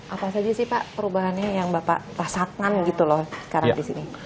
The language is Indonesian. apa saja sih pak perubahannya yang bapak rasakan gitu loh sekarang di sini